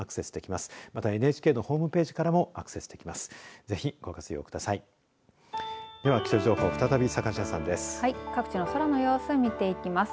またＮＨＫのホームページからもアクセスできます。